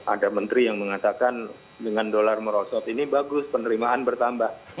ada menteri yang mengatakan dengan dolar merosot ini bagus penerimaan bertambah